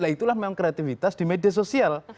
nah itulah memang kreativitas di media sosial